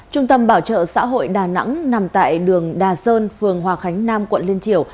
trung tâm bảo trợ xã hội đà nẵng nằm tại đường đà sơn phường hòa khánh nam quận liên triều